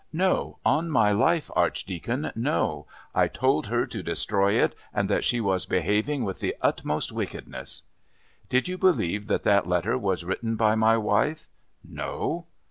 "No. On my life, Archdeacon, no. I told her to destroy it and that she was behaving with the utmost wickedness." "Did you believe that that letter was written by my wife." "No."